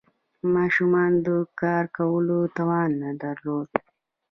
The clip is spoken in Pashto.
ماشومانو د کار کولو توان نه درلود.